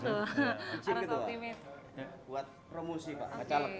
buat promosi pak